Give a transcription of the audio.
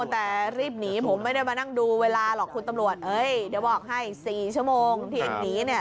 แต่รีบหนีผมไม่ได้มานั่งดูเวลาหรอกคุณตำรวจเอ้ยเดี๋ยวบอกให้๔ชั่วโมงที่เองหนีเนี่ย